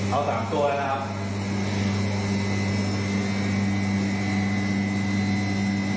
เอา๓ตัวนะครับ